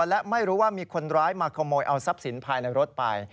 และไม่รู้ว่ามีคนร้ายมาขโมยเอาทรัพย์สินภายในรถไป